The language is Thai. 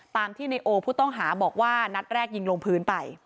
ตามที่ในโอผู้ต้องหาบอกว่านัดแรกยิงลงพื้นไป